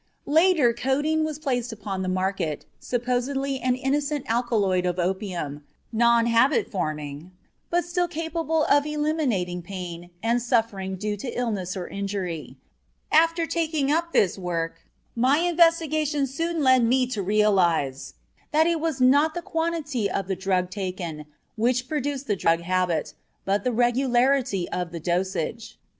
Later codeine was placed upon the market, supposedly an innocent alkaloid of opium, non habit forming, but still capable of eliminating pain and suffering due to illness or injury. After taking up this work, my investigations soon led me to realize that it was not the quantity of the drug taken which produced the drug habit, but the regularity of the dosage.